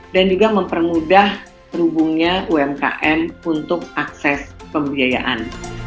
dan juga mempermudah hubungnya umkm untuk akses pembiayaan